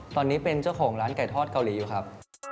ตอนนี้เป็นเจ้าของร้านไก่ทอดเกาหลีอยู่ครับ